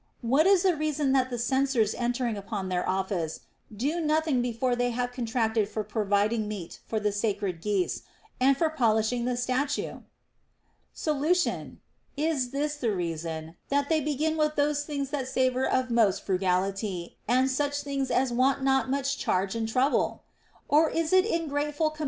What is the reason that the censors en tering upon their office do nothing before they have con tracted for providing meat for the sacred geese, and for pol ishing the statue X Solution. Is this the reason, that they begin with those things that savor of most frugality, and such things as want not much charge and trouble \ Or is it in grateful com 256 THE ROMAN QUESTIONS.